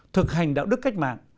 thực hành đạo đức cách mạng